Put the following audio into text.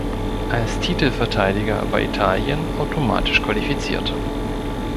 Als Titelverteidiger war Italien automatisch qualifiziert.